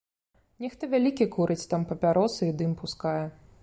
Нехта вялікі курыць там папяросы і дым пускае.